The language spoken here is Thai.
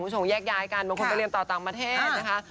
คงแยกย้ายกันบางคนไปเรียนต่อต่างประเทศนะคะ